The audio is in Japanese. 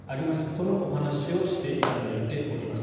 そのお話をしていただいております。